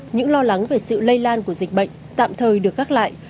những lo lắng về sự lây lan của dịch bệnh tạm thời được gác lại